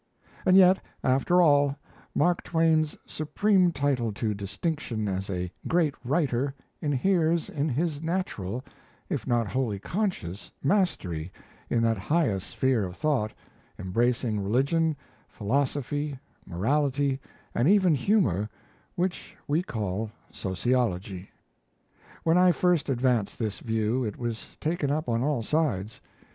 And yet, after all, Mark Twain's supreme title to distinction as a great writer inheres in his natural, if not wholly conscious, mastery in that highest sphere of thought, embracing religion, philosophy, morality and even humour, which we call sociology. When I first advanced this view, it was taken up on all sides.